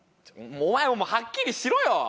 お前もはっきりしろよ！